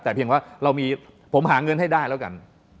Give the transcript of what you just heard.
แต่เพียงว่าเรามีผมหาเงินให้ได้แล้วกัน